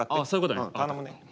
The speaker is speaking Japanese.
そういうことね。